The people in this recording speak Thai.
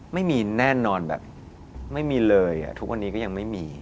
ไม่มีแน่นอนแบบไม่มีเลยทุกวันนี้ก็ยังไม่มี